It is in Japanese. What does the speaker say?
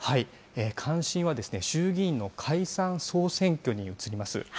関心は、衆議院の解散・総選挙に移ります。